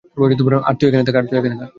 আরে তুই এখানে থাক।